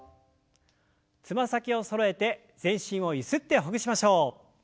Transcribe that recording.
つま先をそろえて全身をゆすってほぐしましょう。